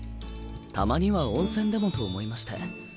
たまには温泉でもと思いまして。